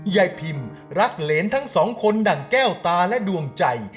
ยายพิมรักเหรนทั้งสองคนดั่งแก้วตาและดวงใจ